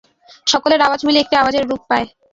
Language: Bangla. সকলের আওয়াজ মিলে একটি আওয়াজের রূপ পায়।